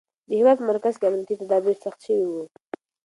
د هېواد په مرکز کې امنیتي تدابیر سخت شوي وو.